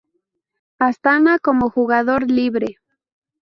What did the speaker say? Astana como jugador libre.